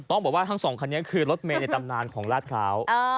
ต้องบอกว่าทั้งสองคันนี้คือรถเมย์ในตำนานของลาดพร้าว